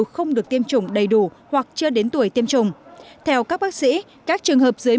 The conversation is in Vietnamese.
không được tiêm chủng đầy đủ hoặc chưa đến tuổi tiêm chủng theo các bác sĩ các trường hợp dưới